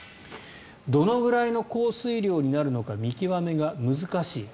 どのくらいの降水量になるのか見極めが難しい。